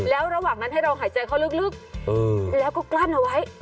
แล้วระหว่างนั้นให้เราหายใจเขาลึกแล้วก็กลั้นเอาไว้